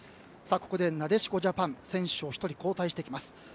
ここで、なでしこジャパン選手を１人交代してきます。